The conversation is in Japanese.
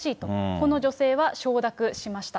この女性は、承諾しました。